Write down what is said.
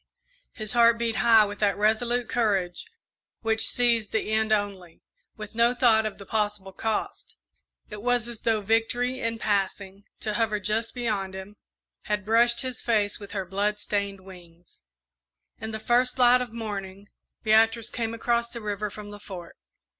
His heart beat high with that resolute courage which sees the end only, with no thought of the possible cost it was as though Victory, in passing, to hover just beyond him, had brushed his face with her blood stained wings. In the first light of morning, Beatrice came across the river from the Fort.